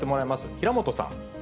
平本さん。